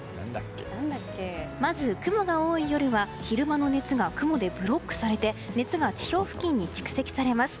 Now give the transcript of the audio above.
まず雲が多い夜は昼間の熱が雲でブロックされて熱が地表付近に蓄積されます。